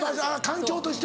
環境としては。